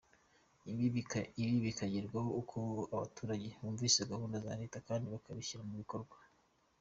Ibi bikagerwaho ari uko abaturage bumvise gahunda za Leta kandi bakabishyira mu bikorwa.